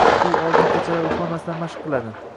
U oldin kechalari uxlamasdan mashq qiladi.